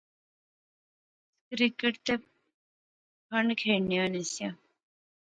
اس کرکٹ تے پھنڈ کھیڈنے ہونے سیاں